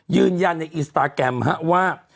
ยืนยันในอินสตาแกรมว่า